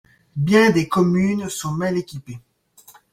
Bien des communes sont mal équipées.